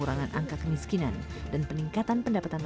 saya datang ke sini dan mengatakan